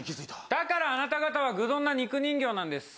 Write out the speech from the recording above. だからあなたたちは愚鈍な肉人形なんです。